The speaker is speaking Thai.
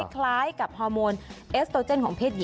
คล้ายกับฮอร์โมนเอสโตเจนของเพศหญิง